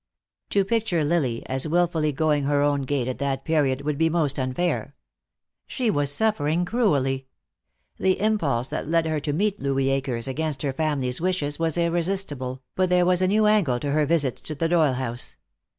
To picture Lily as willfully going her own gait at that period would be most unfair. She was suffering cruelly; the impulse that led her to meet Louis Akers against her family's wishes was irresistible, but there was a new angle to her visits to the Doyle house.